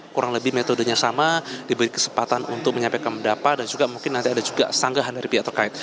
kurang lebih metodenya sama diberi kesempatan untuk menyampaikan pendapat dan juga mungkin nanti ada juga sanggahan dari pihak terkait